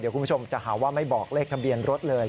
คุณผู้ชมจะหาว่าไม่บอกเลขทะเบียนรถเลย